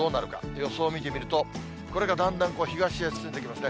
予想見てみると、これがだんだん東へ進んでいきますね。